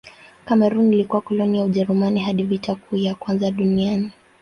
Kamerun ilikuwa koloni la Ujerumani hadi Vita Kuu ya Kwanza ya Dunia.